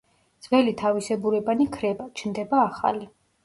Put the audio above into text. ძველი თავისებურებანი ქრება, ჩნდება ახალი.